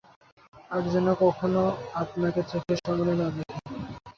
আর যেন কখনও আপনাকে চোখের সামনে না দেখি।